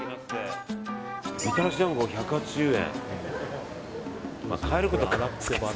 みたらし団子、１８０円。